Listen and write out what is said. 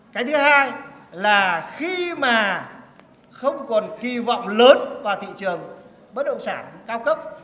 cái thứ hai là khi mà không còn kỳ vọng lớn vào thị trường bất động sản cao cấp